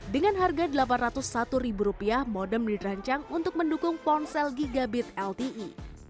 dengan harga rp delapan ratus satu modem dirancang untuk mendukung ponsel gigabit lte